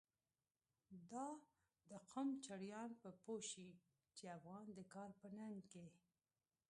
دا د قم چړیان به پوه شی، چی افغان د کار په ننگ کی